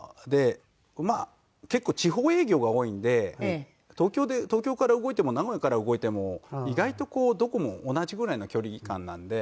まあ結構地方営業が多いんで東京から動いても名古屋から動いても意外とこうどこも同じぐらいの距離感なんで。